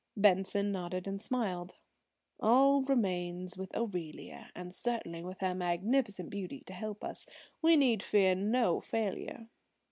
Benson nodded and smiled: "All remains with Aurelia, and certainly with her magnificent beauty to help us, we need fear no failure."